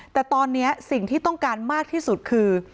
แต่ตอนนี้สิ่งที่ต้องการมากที่สุดคือ